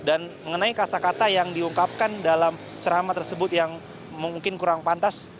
dan mengenai kata kata yang diungkapkan dalam ceramah tersebut yang mungkin kurang pantas